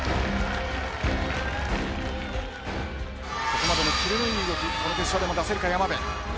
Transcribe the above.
ここまでのキレのいい動きこの決勝でも出せるか、山部。